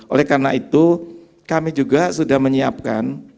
oleh karena itu kami juga sudah menyiapkan